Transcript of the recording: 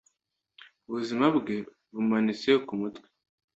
Ubuzima bwe bumanitse kumutwe.